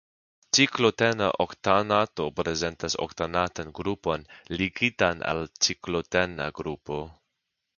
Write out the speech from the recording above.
Ciklotena oktanato prezentas oktanatan grupon ligitan al ciklotena grupo.